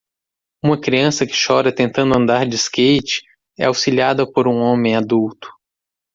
Uma criança que chora tentando andar de skate é auxiliada por um homem adulto.